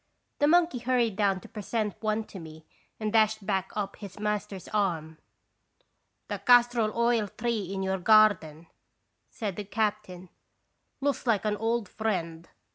The monkey hurried down to present one to me and dashed back up his master's arm. " The castor oil tree in your garden," said the captain, "looks like an old friend.